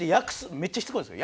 めっちゃしつこいんですよ。